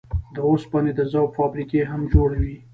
د اوسپنې د ذوب فابريکې هم جوړوي.